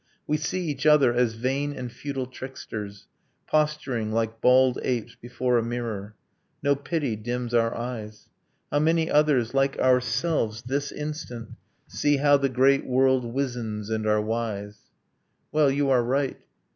'We see each other as vain and futile tricksters, Posturing like bald apes before a mirror; No pity dims our eyes ... How many others, like ourselves, this instant, See how the great world wizens, and are wise? ...' Well, you are right